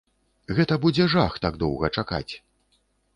Гэта будзе жах так доўга чакаць.